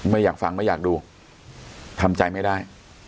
ไม่อยากฟังไม่อยากดูทำใจไม่ได้